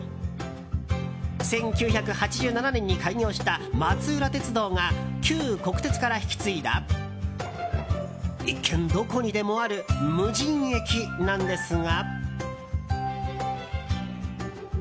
１９８７年に開業した松浦鉄道が旧国鉄から引き継いだ一見、どこにでもある無人駅なんですが。